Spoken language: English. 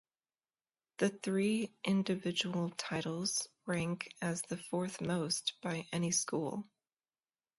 The three individual titles rank as the fourth-most by any school.